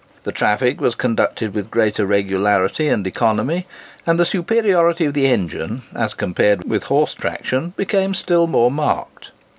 The traffic was conducted with greater regularity and economy, and the superiority of the engine, as compared with horse traction, became still more marked.